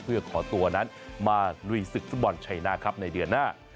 เพื่อขอตัวนั้นมาลุยศึกฟุตบอลชัยหน้าครับในเดือนหน้า